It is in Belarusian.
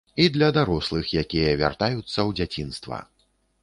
І для дарослых, якія вяртаюцца ў дзяцінства.